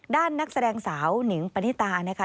นักแสดงสาวหนิงปณิตานะคะ